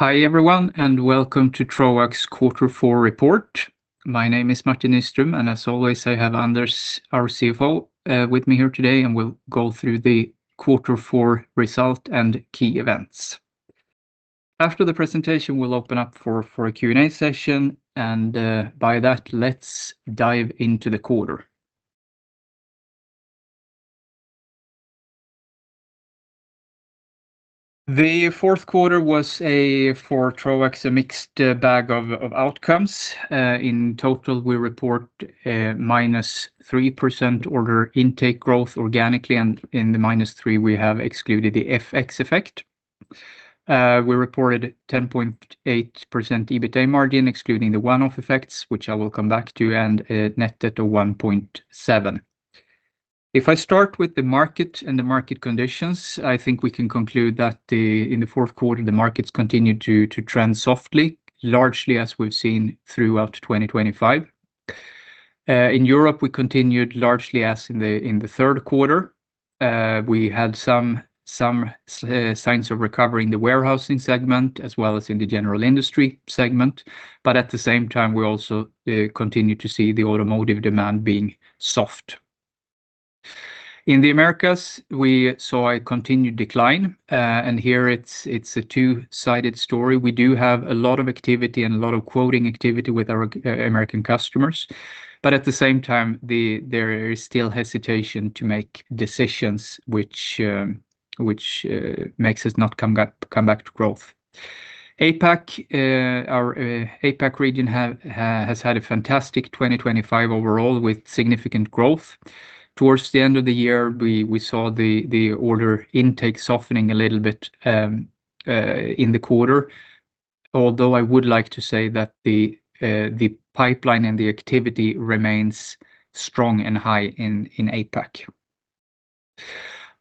Hi, everyone, and welcome to Troax quarter four report. My name is Martin Nyström, and as always, I have Anders, our CFO, with me here today, and we'll go through the quarter four result and key events. After the presentation, we'll open up for a Q&A session, and by that, let's dive into the quarter. The fourth quarter was a mixed bag of outcomes for Troax. In total, we report a -3% order intake growth organically, and in the -3%, we have excluded the FX effect. We reported 10.8% EBITDA margin, excluding the one-off effects, which I will come back to, and a net debt of 1.7. If I start with the market and the market conditions, I think we can conclude that in the fourth quarter, the markets continued to trend softly, largely as we've seen throughout 2025. In Europe, we continued largely as in the third quarter. We had some signs of recovering the warehousing segment, as well as in the general industry segment. But at the same time, we also continued to see the automotive demand being soft. In the Americas, we saw a continued decline, and here, it's a two-sided story. We do have a lot of activity and a lot of quoting activity with our American customers. But at the same time, there is still hesitation to make decisions, which makes us not come back to growth. APAC, our APAC region has had a fantastic 2025 overall, with significant growth. Towards the end of the year, we saw the order intake softening a little bit in the quarter. Although, I would like to say that the pipeline and the activity remains strong and high in APAC.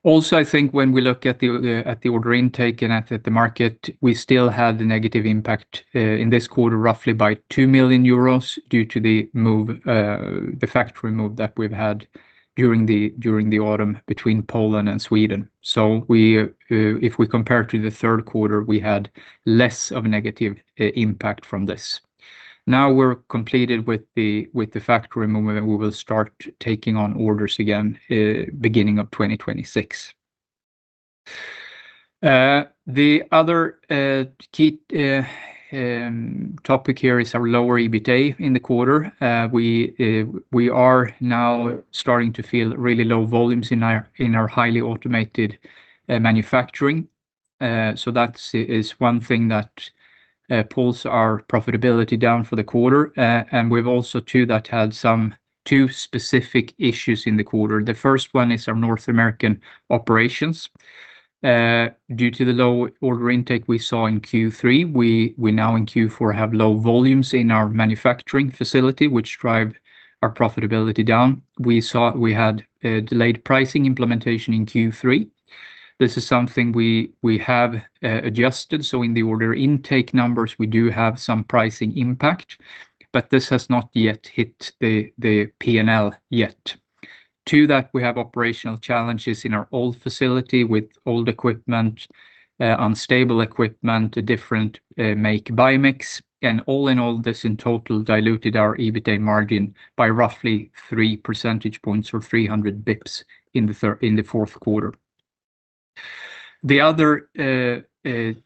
Also, I think when we look at the order intake and at the market, we still had a negative impact in this quarter, roughly by 2 million euros, due to the move, the factory move that we've had during the autumn between Poland and Sweden. So if we compare to the third quarter, we had less of a negative impact from this. Now, we're completed with the factory movement, we will start taking on orders again, beginning of 2026. The other key topic here is our lower EBITDA in the quarter. We are now starting to feel really low volumes in our highly automated manufacturing. So that's one thing that pulls our profitability down for the quarter. And we've also had two specific issues in the quarter. The first one is our North American operations. Due to the low order intake we saw in Q3, we now in Q4 have low volumes in our manufacturing facility, which drive our profitability down. We saw we had a delayed pricing implementation in Q3. This is something we have adjusted, so in the order intake numbers, we do have some pricing impact, but this has not yet hit the P&L yet. To that, we have operational challenges in our old facility with old equipment, unstable equipment, a different make-or-buy mix. And all in all, this in total diluted our EBITDA margin by roughly 3 percentage points or 300 bips in the fourth quarter. The other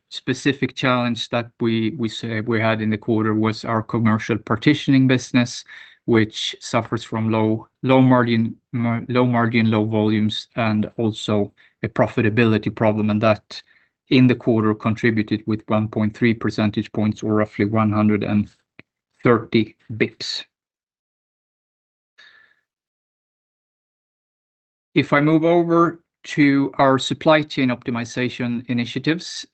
specific challenge that we say we had in the quarter was our commercial partitioning business, which suffers from low margin, low volumes, and also a profitability problem, and that in the quarter contributed with 1.3 percentage points or roughly 130 bips. If I move over to our supply chain optimization initiatives,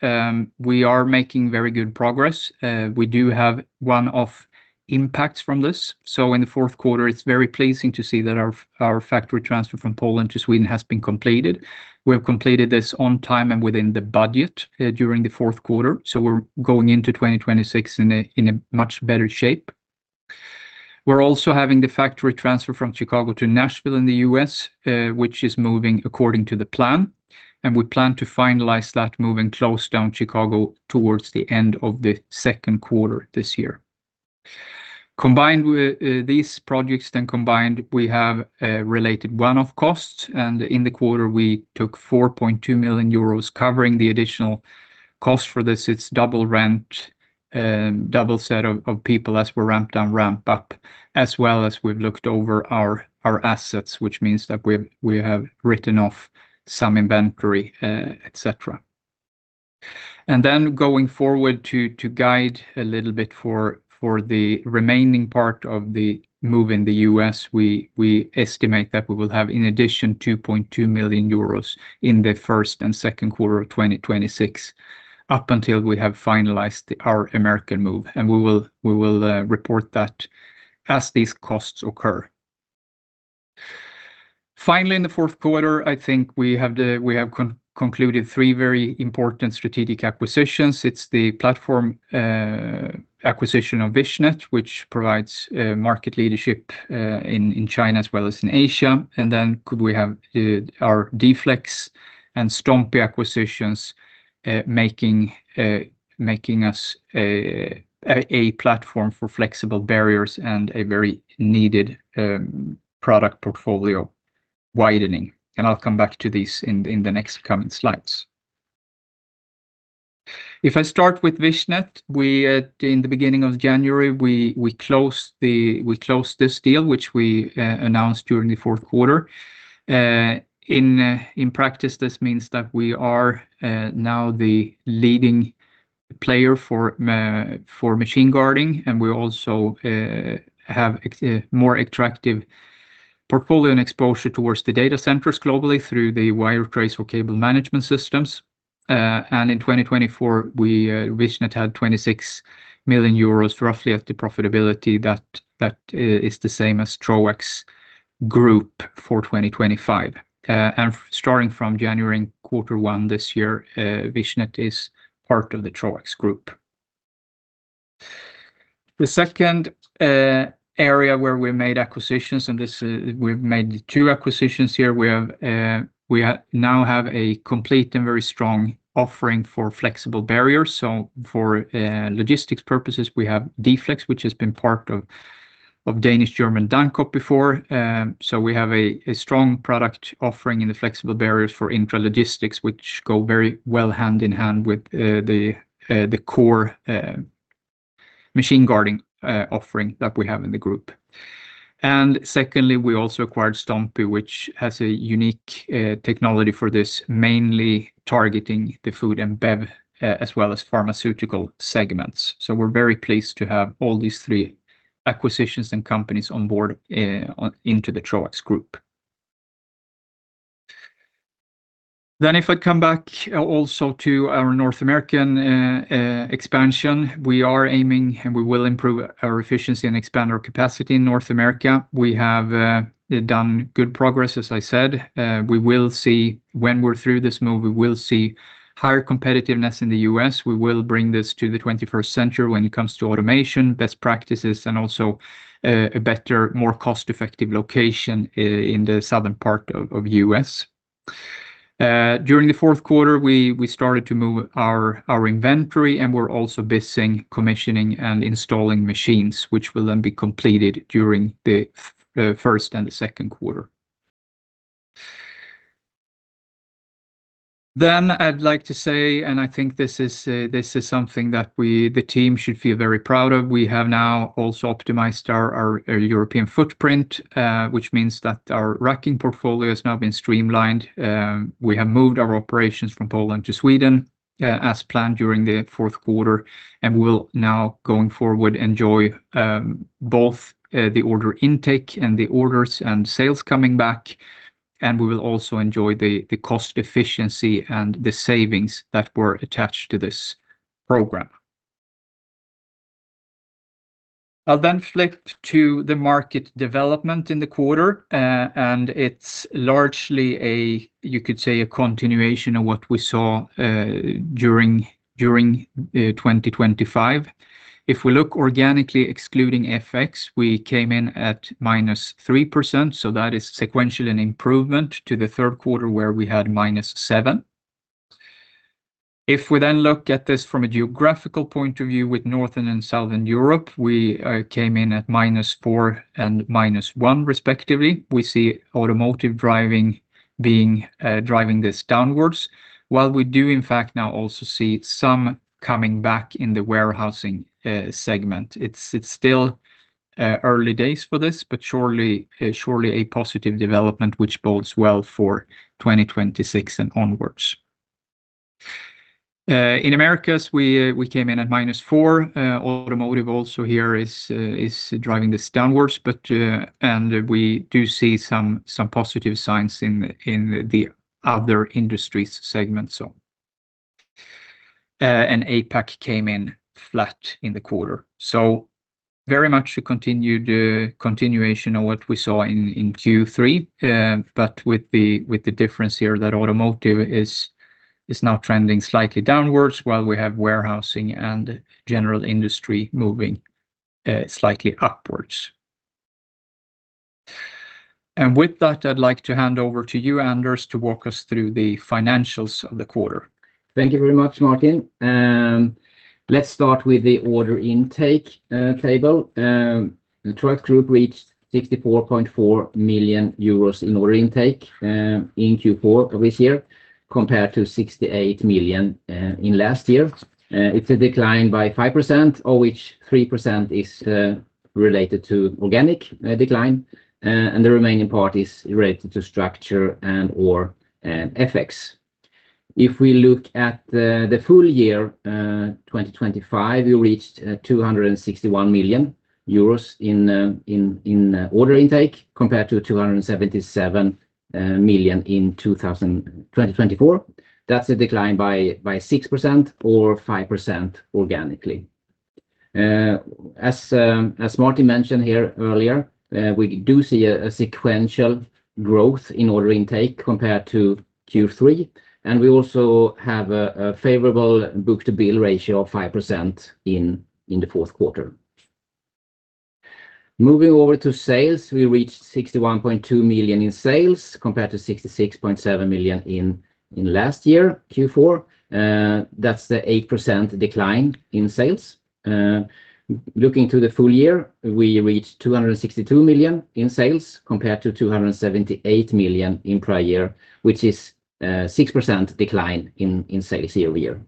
we are making very good progress. We do have one-off impacts from this. So in the fourth quarter, it's very pleasing to see that our factory transfer from Poland to Sweden has been completed. We have completed this on time and within the budget during the fourth quarter, so we're going into 2026 in a much better shape. We're also having the factory transfer from Chicago to Nashville in the US, which is moving according to the plan, and we plan to finalize that move and close down Chicago towards the end of the second quarter this year. Combined with these projects, we have related one-off costs, and in the quarter, we took 4.2 million euros covering the additional cost. For this, it's double rent, double set of people as we ramp down, ramp up, as well as we've looked over our assets, which means that we've written off some inventory, et cetera. Then going forward to guide a little bit for the remaining part of the move in the US, we estimate that we will have, in addition, 2.2 million euros in the first and second quarter of 2026, up until we have finalized our American move, and we will report that as these costs occur. Finally, in the fourth quarter, I think we have the, We have concluded three very important strategic acquisitions. It's the platform acquisition of Vichnet, which provides market leadership in China as well as in Asia. And then could we have our d-flexx and STOMMPY acquisitions making us a platform for flexible barriers and a very needed product portfolio widening. And I'll come back to this in the next coming slides. If I start with Vichnet, we in the beginning of January we closed this deal, which we announced during the fourth quarter. In practice, this means that we are now the leading player for machine guarding, and we also have more attractive portfolio and exposure towards the data centers globally through the wire trays or cable management systems. And in 2024, Vichnet had 26 million euros, roughly at the profitability that is the same as Troax Group for 2025. Starting from January, quarter one this year, Vichnet is part of the Troax Group. The second area where we made acquisitions, and this, we've made two acquisitions here. We now have a complete and very strong offering for flexible barriers. So for logistics purposes, we have d-flexx, which has been part of Danish, German, Dancop before. So we have a strong product offering in the flexible barriers for intralogistics, which go very well hand in hand with the core machine guarding offering that we have in the group. And secondly, we also acquired STOMMPY, which has a unique technology for this, mainly targeting the food and bev as well as pharmaceutical segments. So we're very pleased to have all these three acquisitions and companies on board into the Troax Group. Then if I come back also to our North American expansion, we are aiming, and we will improve our efficiency and expand our capacity in North America. We have done good progress, as I said. We will see when we're through this move, we will see higher competitiveness in the US. We will bring this to the 21st century when it comes to automation, best practices, and also a better, more cost-effective location in the southern part of US. During the fourth quarter, we started to move our inventory, and we're also busy commissioning and installing machines, which will then be completed during the first and the second quarter. Then I'd like to say, and I think this is, this is something that we, the team should feel very proud of. We have now also optimized our, our, our European footprint, which means that our racking portfolio has now been streamlined. We have moved our operations from Poland to Sweden, as planned during the fourth quarter, and we'll now, going forward, enjoy, both, the order intake and the orders and sales coming back, and we will also enjoy the, the cost efficiency and the savings that were attached to this program. I'll then flip to the market development in the quarter, and it's largely a, you could say, a continuation of what we saw, during 2025. If we look organically, excluding FX, we came in at -3%, so that is sequentially an improvement to the third quarter, where we had -7%. If we then look at this from a geographical point of view with Northern and Southern Europe, we came in at -4% and -1%, respectively. We see automotive driving being driving this downwards, while we do in fact now also see some coming back in the warehousing segment. It's still early days for this, but surely a positive development which bodes well for 2026 and onwards. In Americas, we came in at -4%. Automotive also here is driving this downwards, but and we do see some positive signs in the other industries segment, so. And APAC came in flat in the quarter. Very much a continued continuation of what we saw in Q3, but with the difference here that automotive is now trending slightly downwards, while we have warehousing and general industry moving slightly upwards. With that, I'd like to hand over to you, Anders, to walk us through the financials of the quarter. Thank you very much, Martin. Let's start with the order intake table. The Troax Group reached 64.4 million euros in order intake in Q4 of this year, compared to 68 million in last year. It's a decline by 5%, of which 3% is related to organic decline, and the remaining part is related to structure and/or FX. If we look at the full year 2025, we reached 261 million euros in order intake, compared to 277 million in 2024. That's a decline by 6% or 5% organically. As Martin mentioned here earlier, we do see a sequential growth in order intake compared to Q3, and we also have a favorable book-to-bill ratio of 5% in the fourth quarter. Moving over to sales, we reached 61.2 million in sales compared to 66.7 million in last year, Q4. That's the 8% decline in sales. Looking to the full year, we reached 262 million in sales, compared to 278 million in prior year, which is 6% decline in sales year-over-year.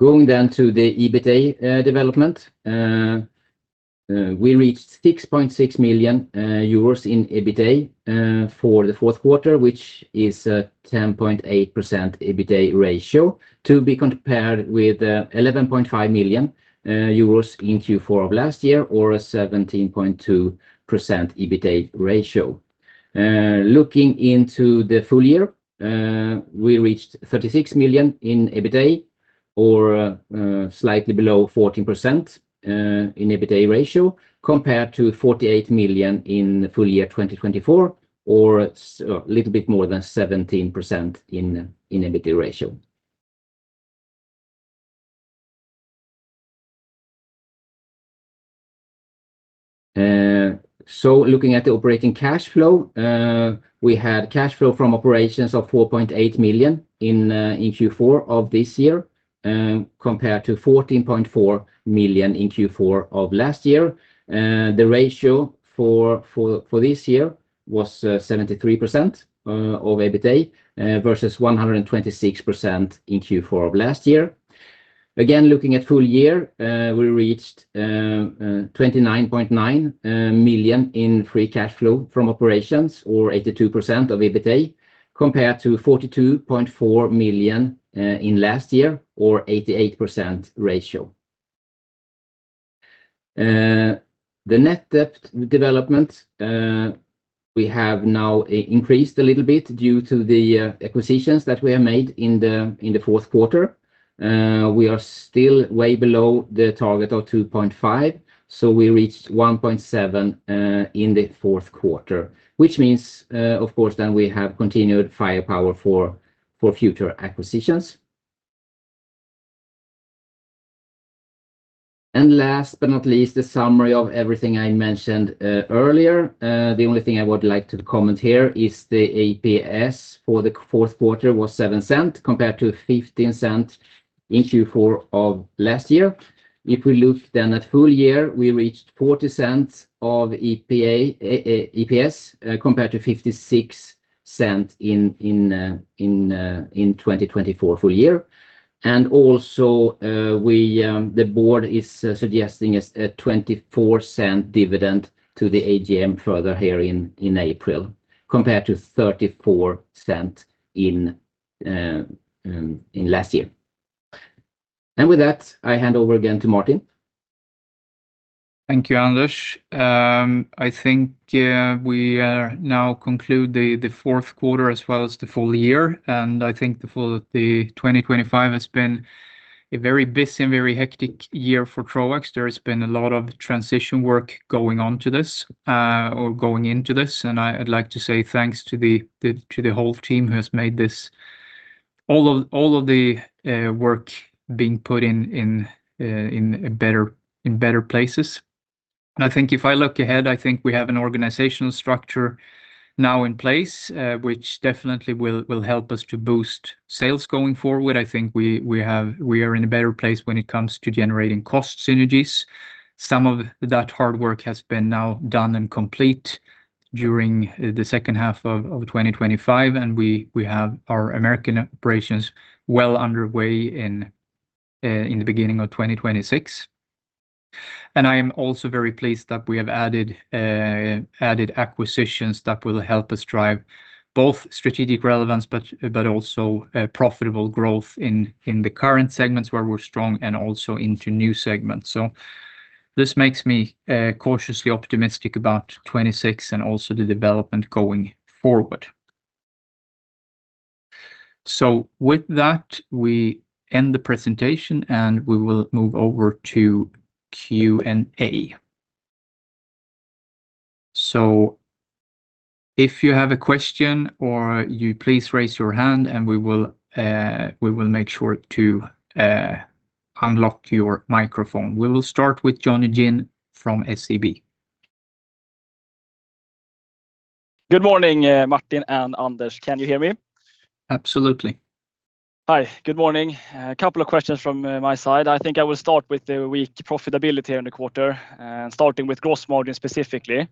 Going down to the EBITDA development, we reached 6.6 million euros in EBITDA for the fourth quarter, which is 10.8% EBITDA ratio, to be compared with 11.5 million euros in Q4 of last year, or a 17.2% EBITDA ratio. Looking into the full year, we reached 36 million in EBITDA or slightly below 14% in EBITDA ratio, compared to 48 million in full year 2024, or a little bit more than 17% in EBITDA ratio. So looking at the operating cash flow, we had cash flow from operations of 4.8 million in Q4 of this year, compared to 14.4 million in Q4 of last year. The ratio for this year was 73% of EBITDA versus 126% in Q4 of last year. Again, looking at full year, we reached 29.9 million in free cash flow from operations or 82% of EBITDA, compared to 42.4 million in last year, or 88% ratio. The net debt development, we have now increased a little bit due to the acquisitions that we have made in the fourth quarter. We are still way below the target of 2.5, so we reached 1.7 in the fourth quarter, which means, of course, then we have continued firepower for future acquisitions. And last but not least, the summary of everything I mentioned earlier. The only thing I would like to comment here is the EPS for the fourth quarter was 0.07, compared to 0.15 in Q4 of last year. If we look then at full year, we reached 40 cents of EPA, EPS, compared to 56 cent in 2024 full year. Also, the board is suggesting a 24 cent dividend to the AGM further here in April, compared to 34 cent in last year. With that, I hand over again to Martin. Thank you, Anders. I think we now conclude the fourth quarter as well as the full year, and I think the full, the 2025 has been a very busy and very hectic year for Troax. There has been a lot of transition work going into this, and I'd like to say thanks to the whole team who has made this all of the work being put in better places. And I think if I look ahead, I think we have an organizational structure now in place, which definitely will help us to boost sales going forward. I think we have we are in a better place when it comes to generating cost synergies. Some of that hard work has been now done and complete during the second half of 2025, and we have our American operations well underway in the beginning of 2026. And I am also very pleased that we have added acquisitions that will help us drive both strategic relevance, but also profitable growth in the current segments where we're strong and also into new segments. So this makes me cautiously optimistic about 2026 and also the development going forward. So with that, we end the presentation, and we will move over to Q&A. So if you have a question or you please raise your hand, and we will make sure to unlock your microphone. We will start with Jonny Jin from SEB. Good morning, Martin and Anders. Can you hear me? Absolutely. Hi, good morning. A couple of questions from my side. I think I will start with the weak profitability in the quarter, starting with gross margin specifically.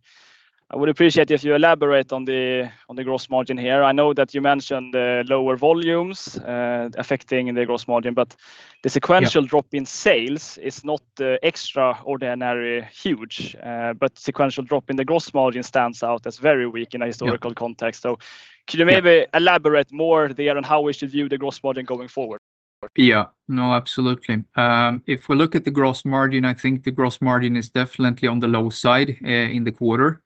I would appreciate if you elaborate on the gross margin here. I know that you mentioned the lower volumes affecting the gross margin, but- Yeah The sequential drop in sales is not extraordinary huge, but sequential drop in the gross margin stands out as very weak in a historical- Yeah Context. Could you maybe Yeah Elaborate more there on how we should view the gross margin going forward? Yeah. No, absolutely. If we look at the gross margin, I think the gross margin is definitely on the low side in the quarter.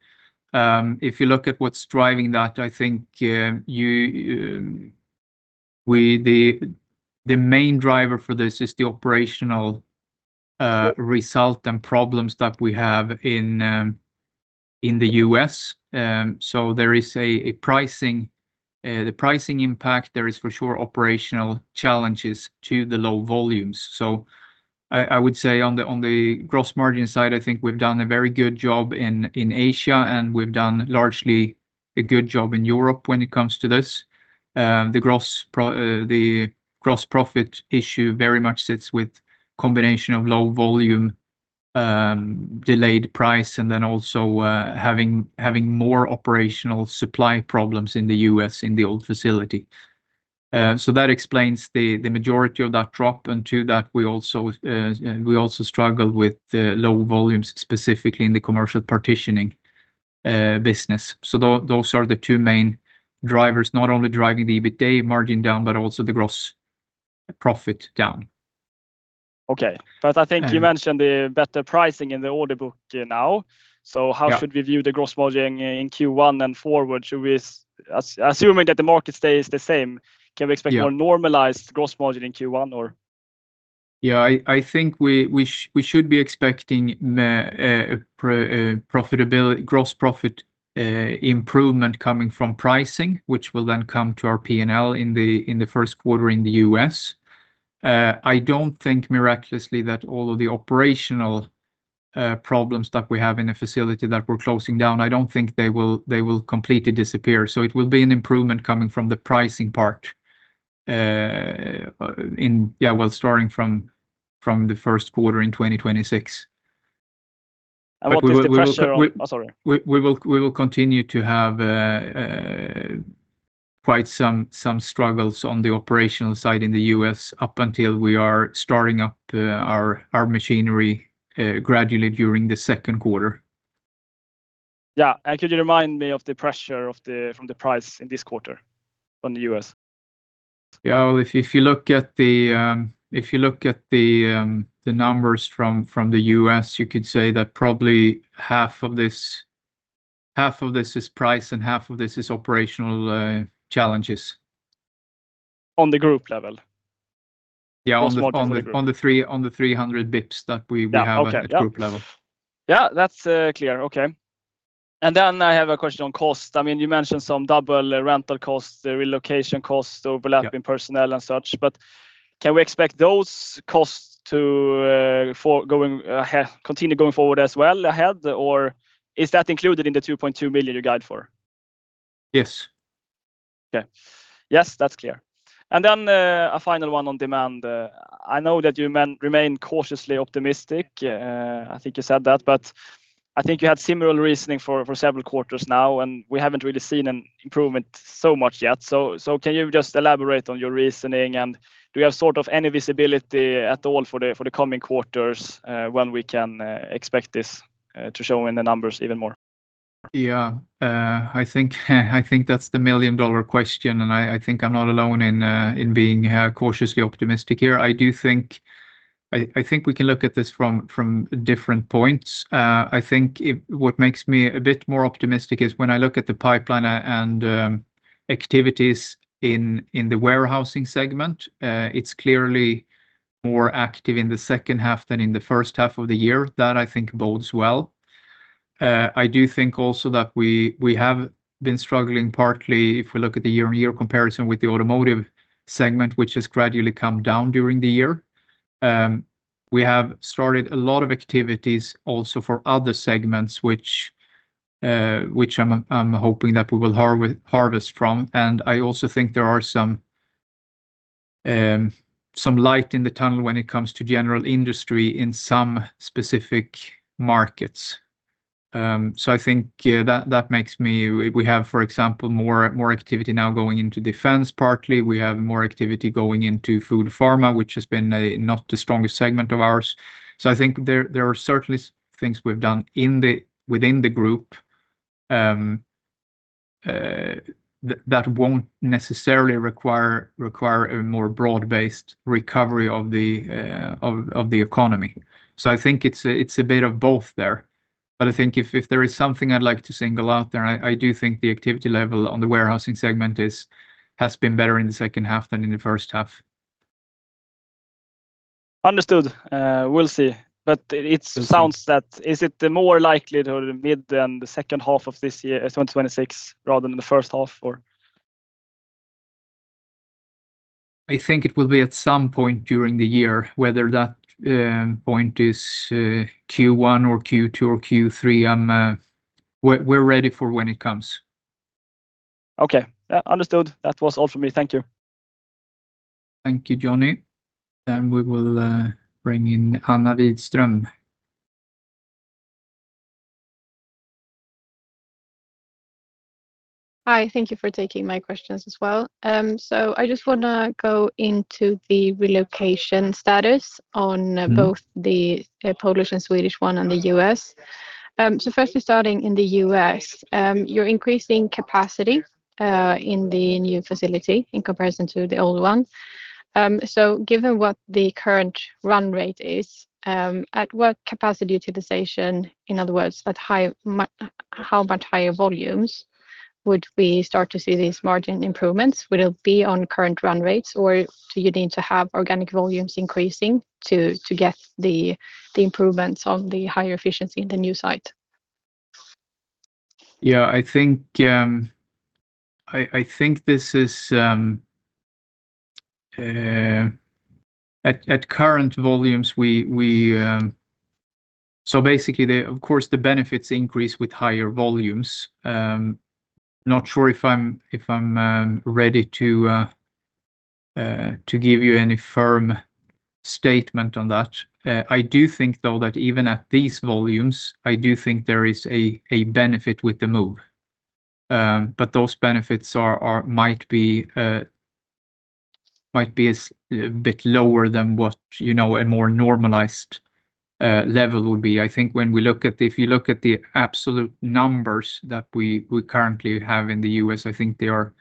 If you look at what's driving that, I think the main driver for this is the operational result and problems that we have in the U.S. So there is a pricing impact. There is for sure operational challenges to the low volumes. So I would say on the gross margin side, I think we've done a very good job in Asia, and we've done largely a good job in Europe when it comes to this. The gross profit issue very much sits with combination of low volume, delayed price, and then also, having more operational supply problems in the U.S. in the old facility. So that explains the majority of that drop, and to that, we also, we also struggle with the low volumes, specifically in the commercial partitioning business. So those are the two main drivers, not only driving the EBITDA margin down, but also the gross profit down. Okay. And I think you mentioned the better pricing in the order book now. Yeah. So how should we view the gross margin in Q1 and forward? Should we, assuming that the market stays the same? Yeah Can we expect more normalized gross margin in Q1 or? Yeah, I think we should be expecting profitability, gross profit improvement coming from pricing, which will then come to our P&L in the first quarter in the US. I don't think miraculously that all of the operational problems that we have in the facility that we're closing down, I don't think they will completely disappear. So it will be an improvement coming from the pricing part. Starting from the first quarter in 2026. What is the pressure on? We will. Oh, sorry. We will continue to have quite some struggles on the operational side in the U.S. up until we are starting up our machinery gradually during the second quarter. Yeah, could you remind me of the pressure from the price in this quarter from the US? Yeah, well, if you look at the numbers from the US, you could say that probably half of this is price, and half of this is operational challenges. On the group level? Yeah. Gross margin on the group. On the 300 bips that we have Yeah, okay At group level. Yeah, that's clear. Okay. And then I have a question on cost. I mean, you mentioned some double rental costs, the relocation costs, overlapping- Yeah Personnel and such, but can we expect those costs to continue going forward as well ahead, or is that included in the 2.2 million you guide for? Yes. Okay. Yes, that's clear. And then, a final one on demand. I know that you remain cautiously optimistic, I think you said that, but I think you had similar reasoning for several quarters now, and we haven't really seen an improvement so much yet. So, can you just elaborate on your reasoning, and do you have sort of any visibility at all for the coming quarters, when we can expect this to show in the numbers even more? Yeah. I think, I think that's the million-dollar question, and I, I think I'm not alone in being cautiously optimistic here. I do think, I, I think we can look at this from different points. I think what makes me a bit more optimistic is when I look at the pipeline and activities in the warehousing segment. It's clearly more active in the second half than in the first half of the year. That I think bodes well. I do think also that we, we have been struggling, partly, if we look at the year-over-year comparison with the automotive segment, which has gradually come down during the year. We have started a lot of activities also for other segments, which, which I'm, I'm hoping that we will harvest from. I also think there are some light in the tunnel when it comes to general industry in some specific markets. So I think that makes me, We have, for example, more activity now going into defense. Partly, we have more activity going into food pharma, which has been not the strongest segment of ours. So I think there are certainly things we've done within the group that won't necessarily require a more broad-based recovery of the economy. So I think it's a bit of both there. But I think if there is something I'd like to single out there, I do think the activity level on the warehousing segment has been better in the second half than in the first half. Understood. We'll see. But it- Mm-hmm It sounds that, is it the more likely to the mid- and the second half of this year, 2026, rather than the first half, or? I think it will be at some point during the year, whether that point is Q1 or Q2 or Q3. I'm, We're ready for when it comes. Okay. Yeah, understood. That was all for me. Thank you. Thank you, Johnny. We will bring in Anna Widström. Hi, thank you for taking my questions as well. So I just want to go into the relocation status on Mm-hmm Both the Polish and Swedish one and the US. So firstly, starting in the US, you're increasing capacity in the new facility in comparison to the old one. So given what the current run rate is, at what capacity utilization, in other words, how much higher volumes would we start to see these margin improvements? Would it be on current run rates, or do you need to have organic volumes increasing to get the improvements of the higher efficiency in the new site? Yeah, I think, I, I think this is at current volumes, we, we, so basically the, of course, the benefits increase with higher volumes. Not sure if I'm, if I'm, ready to, to give you any firm statement on that. I do think, though, that even at these volumes, I do think there is a, a benefit with the move. But those benefits are, are, might be, might be a bit lower than what, you know, a more normalized level would be. I think when we look at the, if you look at the absolute numbers that we, we currently have in the US, I think they are,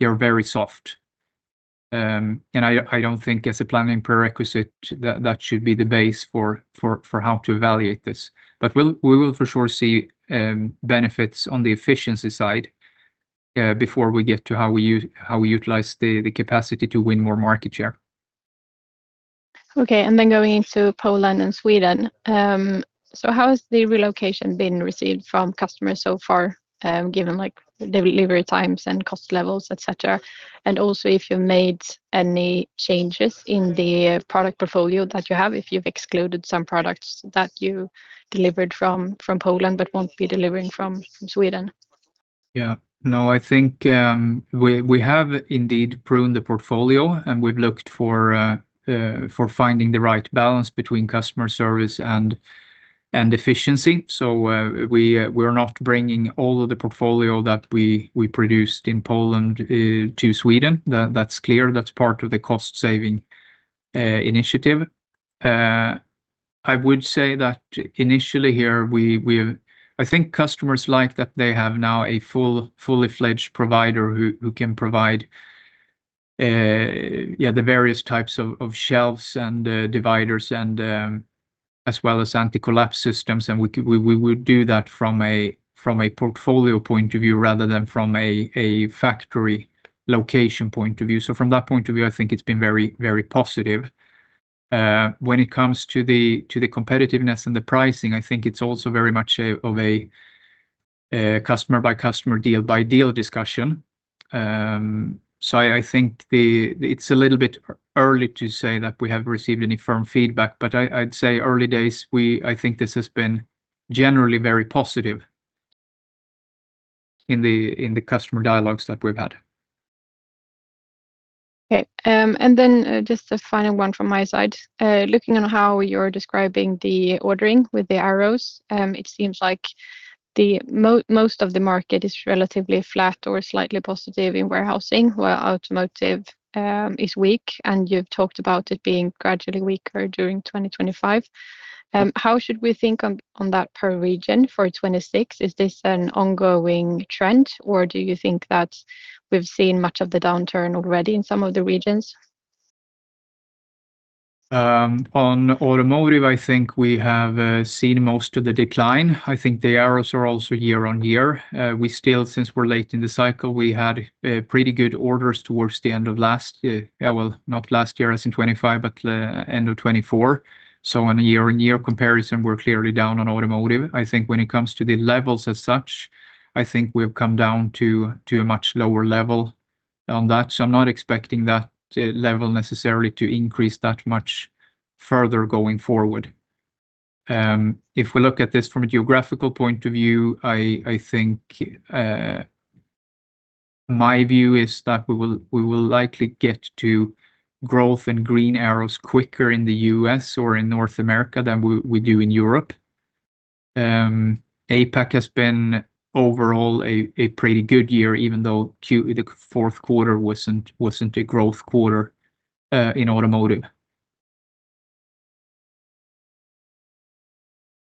they're very soft. And I, I don't think as a planning prerequisite, that, that should be the base for, for, for how to evaluate this. We'll, we will for sure see benefits on the efficiency side, before we get to how we use, how we utilize the, the capacity to win more market share. Okay, and then going into Poland and Sweden. So how has the relocation been received from customers so far, given, like, the delivery times and cost levels, et cetera? And also, if you made any changes in the product portfolio that you have, if you've excluded some products that you delivered from Poland but won't be delivering from Sweden? Yeah. No, I think we have indeed pruned the portfolio, and we've looked for finding the right balance between customer service and efficiency. So, we're not bringing all of the portfolio that we produced in Poland to Sweden. That's clear. That's part of the cost-saving initiative. I would say that initially here, I think customers like that they have now a fully-fledged provider who can provide yeah, the various types of shelves and dividers as well as anti-collapse systems. And we would do that from a portfolio point of view, rather than from a factory location point of view. So from that point of view, I think it's been very positive. When it comes to the competitiveness and the pricing, I think it's also very much a customer-by-customer, deal-by-deal discussion. So I think it's a little bit early to say that we have received any firm feedback, but I'd say early days, I think this has been generally very positive in the customer dialogues that we've had. Okay, and then, just a final one from my side. Looking at how you're describing the ordering with the arrows, it seems like the most of the market is relatively flat or slightly positive in warehousing, while automotive is weak, and you've talked about it being gradually weaker during 2025. How should we think on that per region for 2026? Is this an ongoing trend, or do you think that we've seen much of the downturn already in some of the regions? On automotive, I think we have seen most of the decline. I think the arrows are also year-on-year. We still, since we're late in the cycle, we had pretty good orders towards the end of last year. Not last year, as in 2025, but end of 2024. So on a year-on-year comparison, we're clearly down on automotive. I think when it comes to the levels as such, I think we've come down to a much lower level on that. So I'm not expecting that level necessarily to increase that much further going forward. If we look at this from a geographical point of view, I think my view is that we will likely get to growth in green arrows quicker in the US or in North America than we do in Europe. APAC has been overall a pretty good year, even though the fourth quarter wasn't a growth quarter in automotive.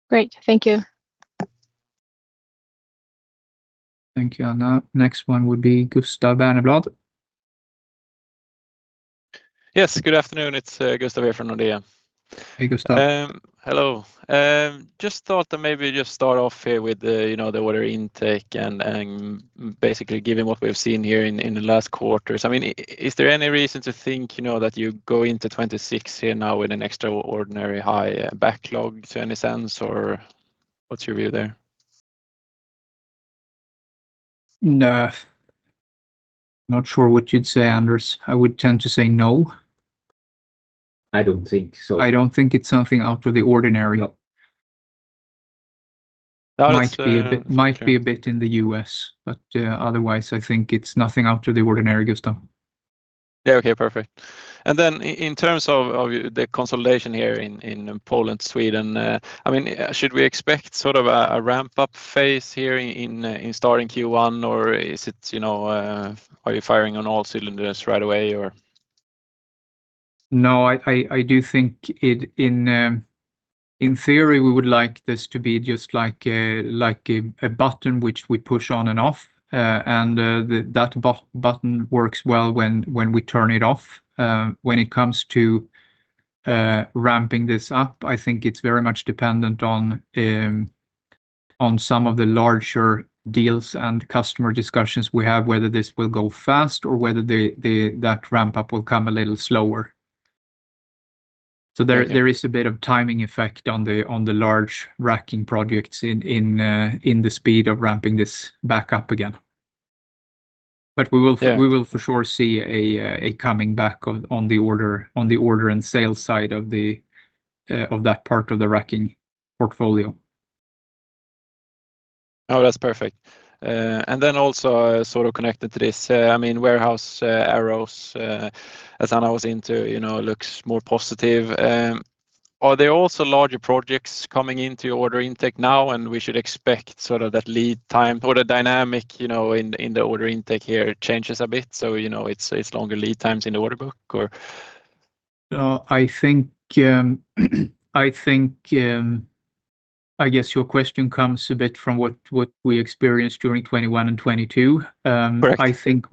Great. Thank you. Thank you. Now, next one would be Gustav Berneblad. Yes, good afternoon. It's Gustav here from Nordea. Hey, Gustav. Hello. Just thought to maybe just start off here with the, you know, the order intake and, and basically, given what we've seen here in, in the last quarters. I mean, is there any reason to think, you know, that you go into 2026 here now with an extraordinary high backlog to any sense, or what's your view there? Not sure what you'd say, Anders. I would tend to say no. I don't think so. I don't think it's something out of the ordinary. That's, uh Might be a bit, might be a bit in the US, but otherwise, I think it's nothing out of the ordinary, Gustav. Yeah, okay, perfect. And then in terms of the consolidation here in Poland, Sweden, I mean, should we expect sort of a ramp-up phase here in starting Q1, or is it, you know, are you firing on all cylinders right away, or? No, I do think, in theory, we would like this to be just like a button which we push on and off, and that button works well when we turn it off. When it comes to ramping this up, I think it's very much dependent on some of the larger deals and customer discussions we have, whether this will go fast or whether that ramp-up will come a little slower. So there is a bit of timing effect on the large racking projects in the speed of ramping this back up again. But we will for Yeah We will for sure see a coming back on the order and sales side of that part of the racking portfolio. Oh, that's perfect. And then also, sort of connected to this, I mean, warehouse arrows, as Anna was into, you know, looks more positive. Are there also larger projects coming into order intake now, and we should expect sort of that lead time or the dynamic, you know, in the order intake here changes a bit, so, you know, it's longer lead times in the order book, or? I think I guess your question comes a bit from what we experienced during 2021 and 2022. Correct. I think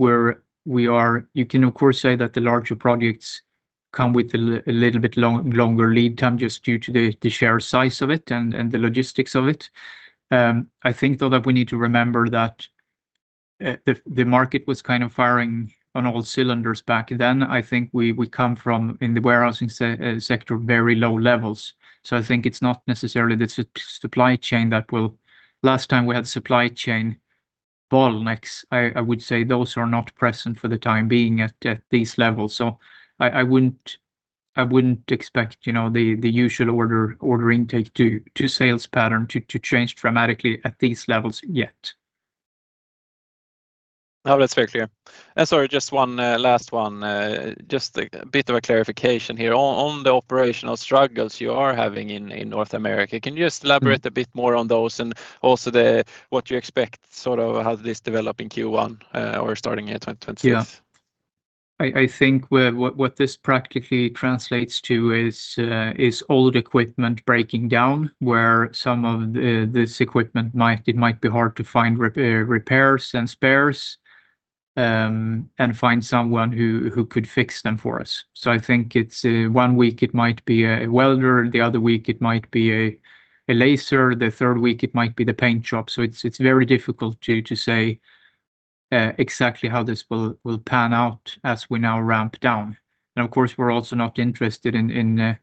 we are. You can of course say that the larger projects come with a little bit longer lead time just due to the sheer size of it and the logistics of it. I think though that we need to remember that the market was kind of firing on all cylinders back then. I think we come from, in the warehousing sector, very low levels. So I think it's not necessarily the supply chain that will, Last time we had supply chain bottlenecks, I would say those are not present for the time being at these levels. So I wouldn't expect, you know, the usual order intake to sales pattern to change dramatically at these levels yet. No, that's very clear. Sorry, just one last one. Just a bit of a clarification here. On the operational struggles you are having in North America, can you just elaborate? Mm A bit more on those? And also the, what you expect, sort of, how this develop in Q1, or starting in 2026. Yeah. I think what this practically translates to is old equipment breaking down, where some of this equipment might be hard to find repairs and spares, and find someone who could fix them for us. So I think it's one week it might be a welder, the other week it might be a laser, the third week it might be the paint shop. So it's very difficult to say exactly how this will pan out as we now ramp down. And of course, we're also not interested in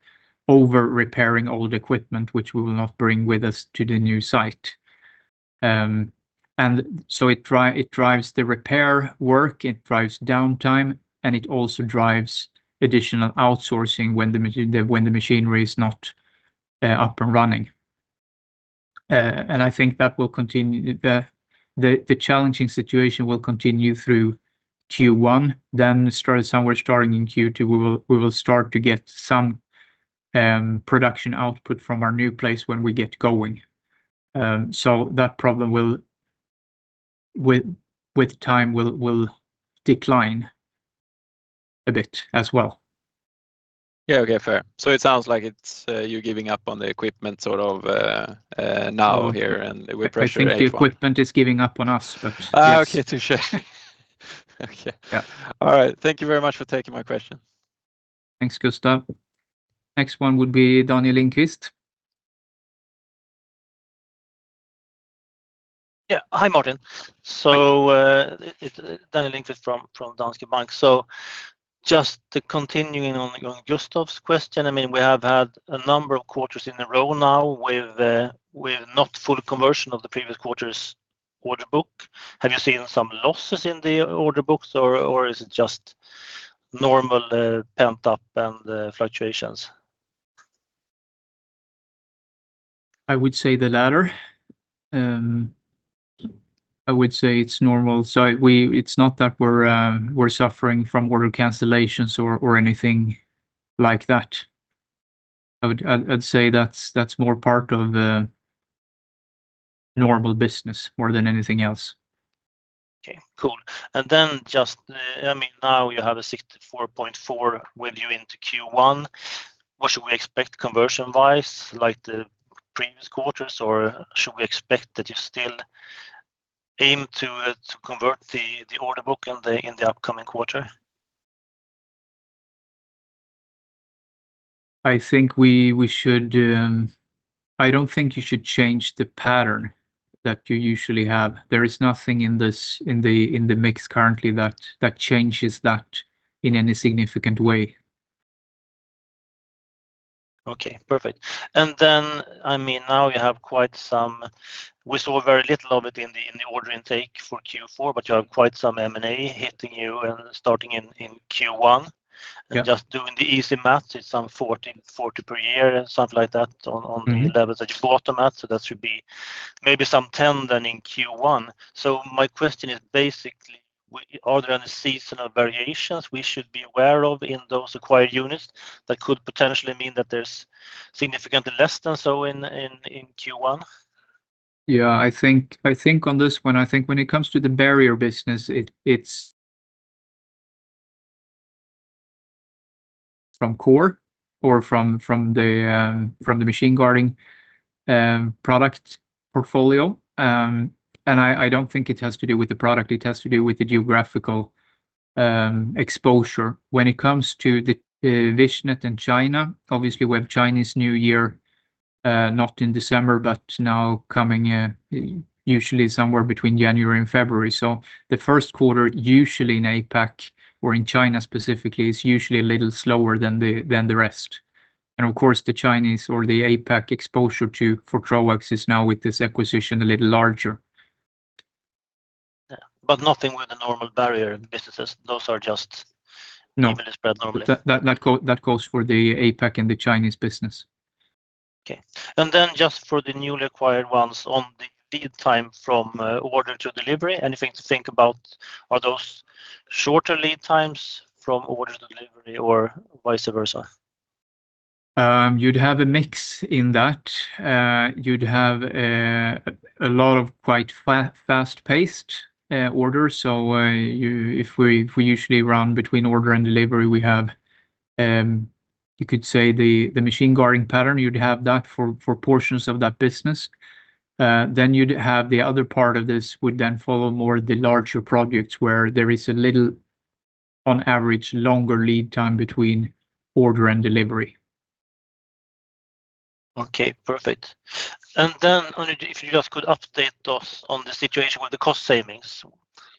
over-repairing old equipment, which we will not bring with us to the new site. And so it drives the repair work, it drives downtime, and it also drives additional outsourcing when the machinery is not up and running. And I think that will continue, the challenging situation will continue through Q1, then start somewhere, starting in Q2, we will start to get some production output from our new place when we get going. So that problem will, with time, will decline a bit as well. Yeah, okay. Fair. So it sounds like it's, you're giving up on the equipment sort of, now here, and we pressure H1. I think the equipment is giving up on us, but yes. Ah, okay. Touché. Okay. Yeah. All right. Thank you very much for taking my question. Thanks, Gustav. Next one would be Daniel Lindkvist. Yeah. Hi, Martin. Hi. So, it's Daniel Lindkvist from Danske Bank. So just continuing on Gustav's question, I mean, we have had a number of quarters in a row now with not full conversion of the previous quarters order book. Have you seen some losses in the order books, or is it just normal pent-up and fluctuations? I would say the latter. I would say it's normal. So it's not that we're suffering from order cancellations or anything like that. I'd say that's more part of normal business, more than anything else. Okay, cool. And then just, I mean, now you have a 64.4 with you into Q1. What should we expect conversion-wise, like the previous quarters, or should we expect that you still aim to convert the order book in the upcoming quarter? I think we should. I don't think you should change the pattern that you usually have. There is nothing in this in the mix currently that changes that in any significant way. Okay, perfect. And then, I mean, now you have quite some, We saw very little of it in the order intake for Q4, but you have quite some M&A hitting you and starting in Q1. Yeah. Just doing the easy math, it's some 40, 40 per year, something like that. Mm-hmm The levels that you brought to math, so that should be maybe some 10 then in Q1. So my question is, basically, are there any seasonal variations we should be aware of in those acquired units that could potentially mean that there's significantly less than so in Q1? Yeah, I think on this one, I think when it comes to the barrier business, it's from the machine guarding product portfolio. And I don't think it has to do with the product, it has to do with the geographical exposure. When it comes to the Vichnet in China, obviously, we have Chinese New Year—not in December, but now coming, usually somewhere between January and February. So the first quarter, usually in APAC or in China specifically, is usually a little slower than the rest. And of course, the Chinese or the APAC exposure for Troax is now with this acquisition a little larger. Yeah, but nothing with the normal barrier businesses. Those are just No Evenly spread normally. That goes for the APAC and the Chinese business. Okay. And then just for the newly acquired ones on the lead time from order to delivery, anything to think about? Are those shorter lead times from order to delivery or vice versa? You'd have a mix in that. You'd have a lot of quite fast-paced orders. So, if we usually run between order and delivery, we have, you could say the machine guarding pattern. You'd have that for portions of that business. Then you'd have the other part of this would then follow more the larger projects where there is a little, on average, longer lead time between order and delivery. Okay, perfect. And then if you just could update us on the situation with the cost savings.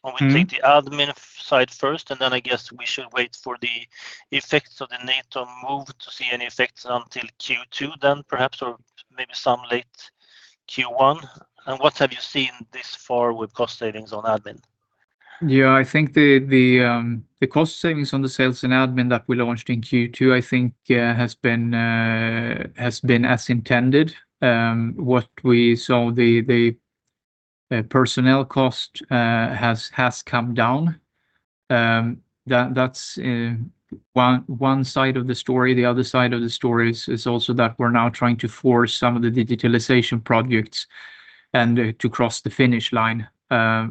Mm-hmm. When we take the admin side first, and then I guess we should wait for the effects of the Natom move to see any effects until Q2 then perhaps, or maybe some late Q1. What have you seen this far with cost savings on admin? Yeah, I think the cost savings on the sales and admin that we launched in Q2, I think, has been as intended. What we saw, the personnel cost has come down. That's one side of the story. The other side of the story is also that we're now trying to force some of the digitalization projects and to cross the finish line,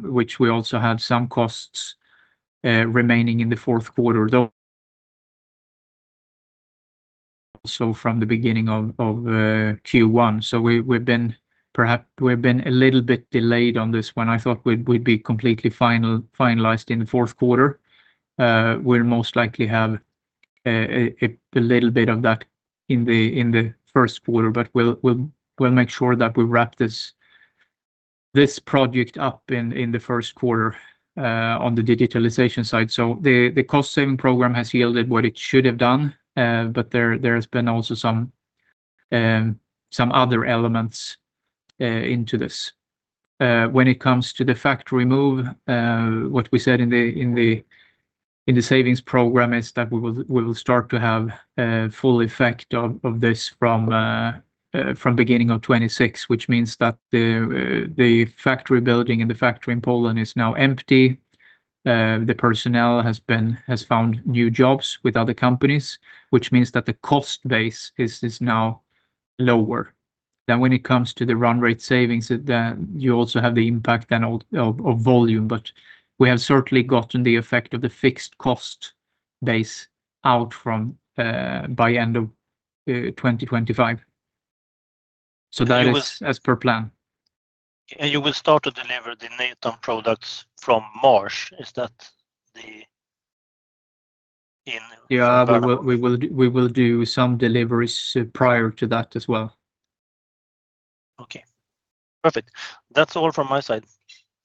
which we also had some costs remaining in the fourth quarter, though. So from the beginning of Q1. So we've been, perhaps we've been a little bit delayed on this one. I thought we'd be completely finalized in the fourth quarter. We'll most likely have a little bit of that in the first quarter, but we'll make sure that we wrap this project up in the first quarter on the digitalization side. So the cost saving program has yielded what it should have done, but there has been also some other elements into this. When it comes to the factory move, what we said in the savings program is that we will start to have full effect of this from beginning of 2026, which means that the factory building and the factory in Poland is now empty. The personnel has found new jobs with other companies, which means that the cost base is now lower. Then when it comes to the run rate savings, you also have the impact of volume, but we have certainly gotten the effect of the fixed cost base out by end of 2025. So that is as per plan. You will start to deliver the Natom products from March, is that the end? Yeah, we will do some deliveries prior to that as well. Okay, perfect. That's all from my side.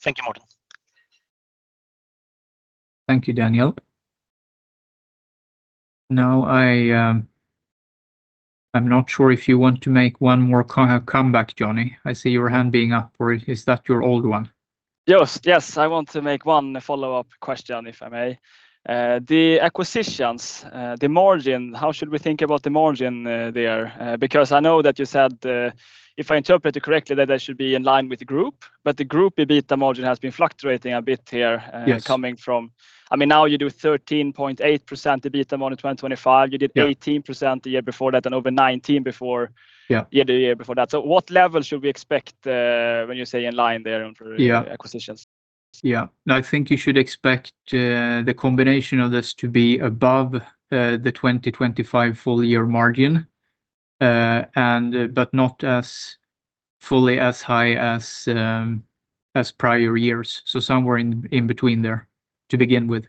Thank you, Martin. Thank you, Daniel. Now, I’m not sure if you want to make one more comeback, Johnny. I see your hand being up, or is that your old one? Yes, yes, I want to make one follow-up question, if I may. The acquisitions, the margin, how should we think about the margin there? Because I know that you said, if I interpret it correctly, that they should be in line with the group, but the group EBITDA margin has been fluctuating a bit here Yes Coming from, I mean, now you do 13.8% EBITDA margin in 2025. Yeah. You did 18% the year before that, and over 19 before Yeah The year before that. So what level should we expect, when you say in line there for Yeah Acquisitions? Yeah. I think you should expect the combination of this to be above the 2025 full year margin, and but not as fully as high as prior years. So somewhere in between there to begin with.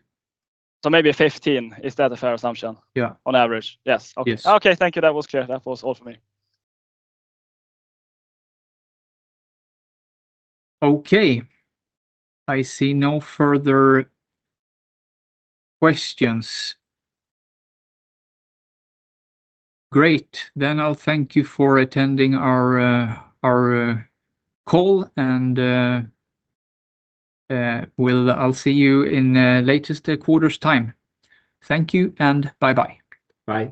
Maybe 15, is that a fair assumption? Yeah. On average? Yes. Yes. Okay, thank you. That was clear. That was all for me. Okay. I see no further questions. Great, then I'll thank you for attending our call, and I'll see you in latest quarter's time. Thank you, and bye-bye. Bye.